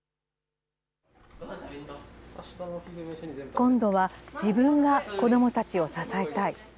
今度は自分が子どもたちを支えたい。